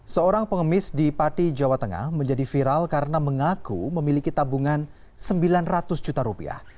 seorang pengemis di pati jawa tengah menjadi viral karena mengaku memiliki tabungan sembilan ratus juta rupiah